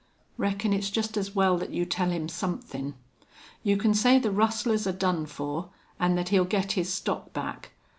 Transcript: "Reckon it's just as well that you tell him somethin'.... You can say the rustlers are done for an' that he'll get his stock back.